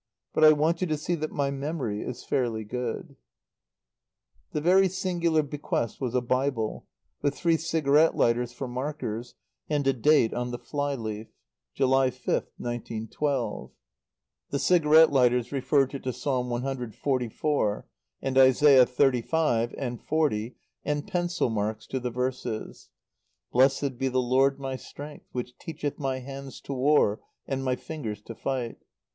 But I want you to see that my memory is fairly good." The very singular bequest was a Bible, with three cigarette lighters for markers, and a date on the fly leaf: "July 5th, 1912." The cigarette lighters referred her to Psalm cxliv., and Isaiah xxxv. and xl., and pencil marks to the verses: "Blessed be the Lord my strength which teacheth my hands to war and my fingers to fight."...